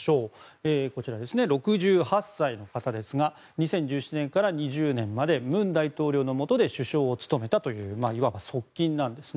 ６８歳の方ですが２０１７年から２０年まで文大統領のもとで首相を務めたといういわば側近なんですね。